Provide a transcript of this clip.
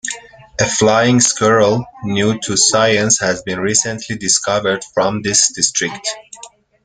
A flying squirrel, new to science has been recently discovered from this district.